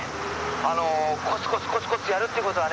あのコツコツコツコツやるって事はね